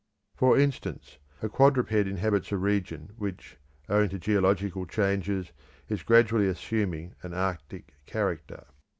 For instance, a quadruped inhabits a region which, owing to geological changes, is gradually assuming an Arctic character.